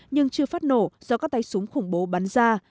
nhưng chưa phát nổ do các tay súng khủng bố bắn ra